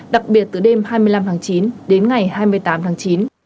đặc biệt từ đêm hai mươi năm tháng chín đến ngày hai mươi tám tháng chín